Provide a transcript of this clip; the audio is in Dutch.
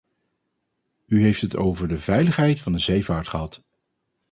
U heeft het over de veiligheid van de zeevaart gehad.